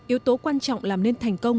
yếu tố quan trọng làm nên thành công